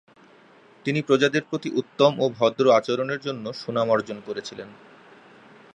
তিনি প্রজাদের প্রতি উত্তম ও ভদ্র আচরণের জন্য সুনাম অর্জন করেছিলেন।